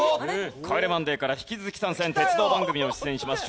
『帰れマンデー』から引き続き参戦鉄道番組にも出演します